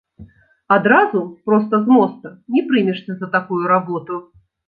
Адразу, проста з моста, не прымешся за такую работу.